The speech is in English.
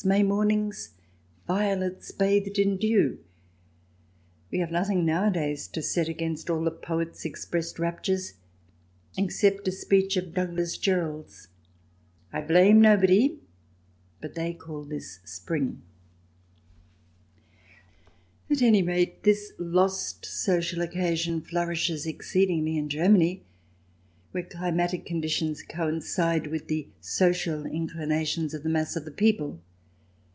May mornings, violets bathed in dew — we have nothing nowadays to set against all the poet's ex pressed raptures except a speech of Douglas Jerrold's :" I blame nobody, but they call this spring 1" At any rate, this lost social occasion flourishes 70 THE DESIRABLE ALIEN [ch. vi exceedingly in Germany, where climatic conditions coincide with the social inclinations of the mass of the people.